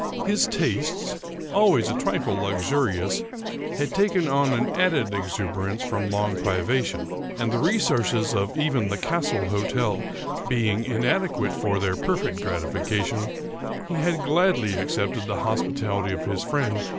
His tastes, always a trifle luxurious, had taken on an added exuberance from long privation ; and the re sources of even the Castle Hotel being inadequate for their perfect gratification, he had gladly accepted the hospitality of his friend.